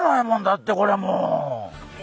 だってこれもう！